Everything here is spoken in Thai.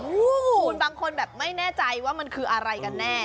คุณบางคนแบบไม่แน่ใจว่ามันคืออะไรกันแน่